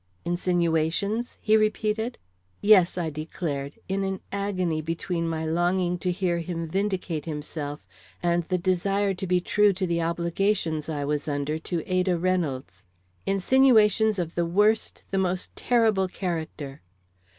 "Insinuations?" he repeated. "Yes," I declared, in an agony between my longing to hear him vindicate himself and the desire to be true to the obligations I was under to Ada Reynolds. "Insinuations of the worst, the most terrible, character."